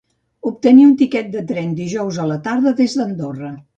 Obtenir un tiquet de tren dijous a la tarda des d'Andorra.